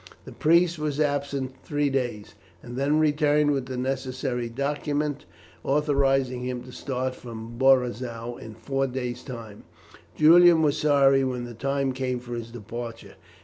The priest was absent three days, and then returned with the necessary document authorizing him to start from Borizow in four days' time. Julian was sorry when the time came for his departure.